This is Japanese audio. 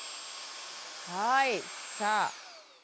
はいさあ